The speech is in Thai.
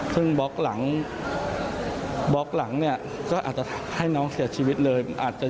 ซึ่งบล็อกหลังบล็อกหลังเนี่ยก็อาจจะให้น้องเสียชีวิตเลยอาจจะ